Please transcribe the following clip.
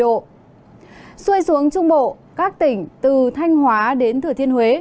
xuôi xuống trung bộ các tỉnh từ thanh hóa đến thừa thiên huế